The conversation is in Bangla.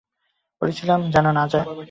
বলেছিলাম যেন না যায়।